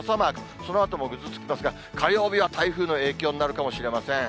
そのあともぐずつきますが、火曜日は台風の影響になるかもしれません。